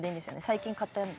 最近買った。